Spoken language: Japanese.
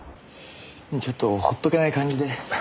ちょっと放っとけない感じでつい。